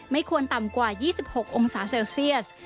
ไม่ควรต่ำกว่า๒๖องศาเซลเซียส